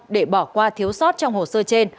để bỏ qua thiếu sót trong hồ sơ trên